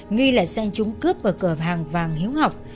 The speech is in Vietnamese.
nghi là xe chúng cướp ở cửa hàng vàng hiếu học